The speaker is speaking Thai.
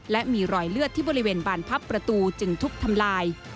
และมีรอยเลือดที่บริเวณบานพับประตูจึงทุบทำลาย